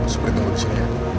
seperti itu di sini ya